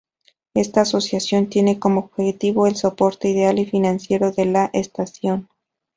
Esta asociación tiene como objetivo el soporte ideal y financiero de la estación.